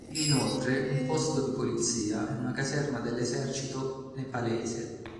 Vi è inoltre un posto di polizia e una caserma dell'esercito nepalese.